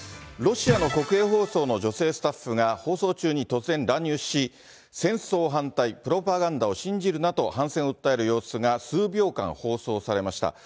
ロシアの国営放送の女性スタッフが、放送中に突然乱入し、戦争反対、プロパガンダを信じるなと反戦を訴える様子が、数秒間放送されました。